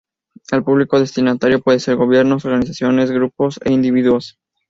El público destinatario puede ser gobiernos, organizaciones, grupos e individuos.